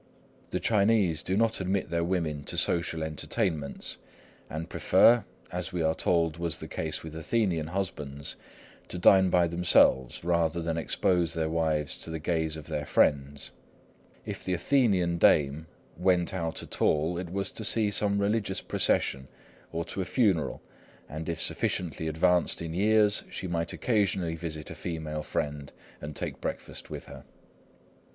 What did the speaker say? The Chinese do not admit their women to social entertainments, and prefer, as we are told was the case with Athenian husbands, to dine by themselves rather than expose their wives to the gaze of their friends. If the Athenian dame "went out at all, it was to see some religious procession, or to a funeral; and if sufficiently advanced in years she might occasionally visit a female friend, and take breakfast with her."